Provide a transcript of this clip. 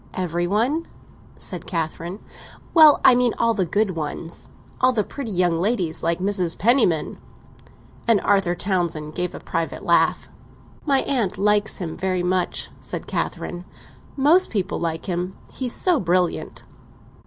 "Every one?" said Catherine. "Well, I mean all the good ones. All the pretty young ladies—like Mrs. Penniman!" and Arthur Townsend gave a private laugh. "My aunt likes him very much," said Catherine. "Most people like him—he's so brilliant."